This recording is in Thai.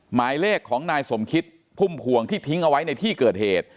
หมายเลขของนายสมคิดพุ่มพวงที่ทิ้งเอาไว้ในที่เกิดเหตุ